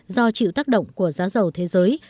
do chịu tác động của giá dầu thế giới